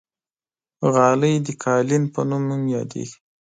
غالۍ د قالین په نوم هم یادېږي.